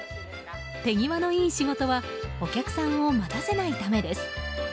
手際のいい仕事はお客さんを待たせないためです。